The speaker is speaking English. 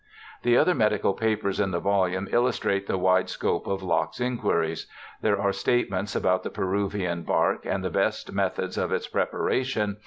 The other medical papers in the volume illustrate the wide scope of Locke's inquiries. There are statements about the Peruvian bark and the best methods of its preparation.